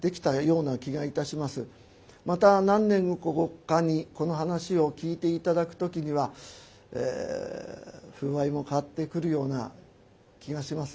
また何年後かにこの噺を聴いて頂く時には風合いも変わってくるような気がします。